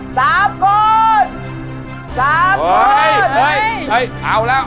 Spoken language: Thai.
เอาแล้วเอาแล้ว